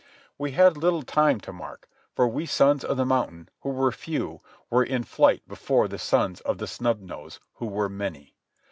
We had little time to mark, for we Sons of the Mountain, who were few, were in flight before the Sons of the Snub Nose, who were many.